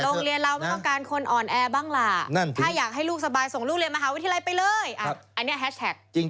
โรงเรียนเราไม่ต้องการคนอ่อนแอบ้างล่ะถ้าอยากให้ลูกสบายส่งลูกเรียนมหาวิทยาลัยไปเลยอันนี้แฮชแท็กจริง